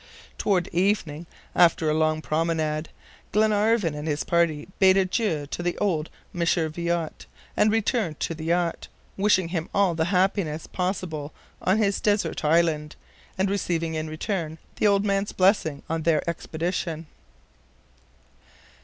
Toward evening, after a long promenade, Glenarvan and his party bade adieu to the good old M. Viot, and returned to the yacht, wishing him all the happiness possible on his desert island, and receiving in return the old man's blessing on their expedition.